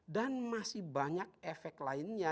dan masih banyak efek lainnya